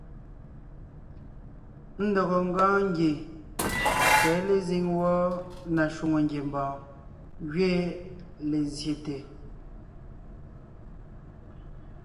Ndɔgɔ ńgɔɔn ngie sɛ̌ lezíŋ wɔ́ɔ na shwòŋo ngiembɔɔn gẅiin lezsyete.